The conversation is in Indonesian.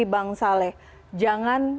bang saleh jangan